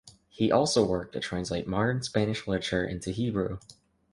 He also worked to translate modern Spanish literature into Hebrew.